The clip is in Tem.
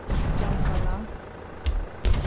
Bijaavalaa.